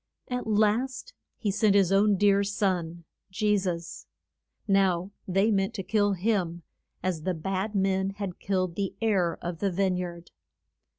At last he sent his own dear son, Je sus. Now they meant to kill him, as the bad men had killed the heir of the vine yard.